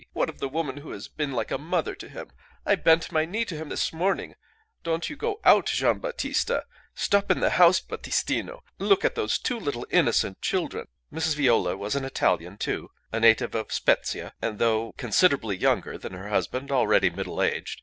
What of the woman who has been like a mother to him? I bent my knee to him this morning; don't you go out, Gian' Battista stop in the house, Battistino look at those two little innocent children!" Mrs. Viola was an Italian, too, a native of Spezzia, and though considerably younger than her husband, already middle aged.